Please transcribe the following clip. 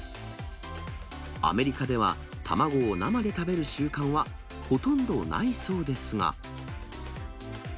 アメリカでは、卵を生で食べる習慣は、ほとんどないそうですが。